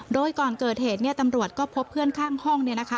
โดยก่อนเกิดเหตุตำรวจก็พบเพื่อนข้างห้อง